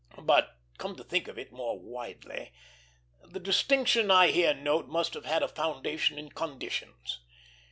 But, come to think of it more widely, the distinction I here note must have had a foundation in conditions.